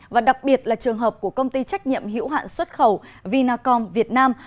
và đặc biệt là trường hợp của công ty trách nhiệm hữu hạn xuất khẩu vinacom việt nam